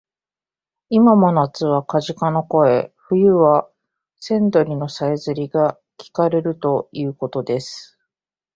いまも夏はカジカの声、冬は千鳥のさえずりがきかれるということです